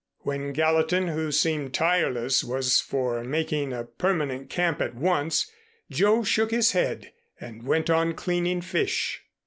When Gallatin, who seemed tireless was for making a permanent camp at once, Joe shook his head and went on cleaning fish.